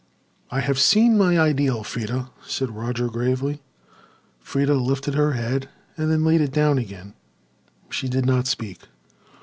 "I have seen my ideal, Freda," said Roger gravely. Freda lifted her head and then laid it down again. She did not speak.